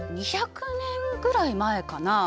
２００年ぐらい前かな。